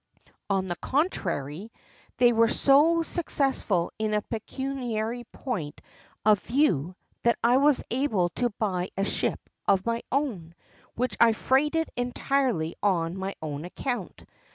On the contrary, they were so successful in a pecuniary point of view, that I was able to buy a ship of my own, which I freighted entirely on my own account.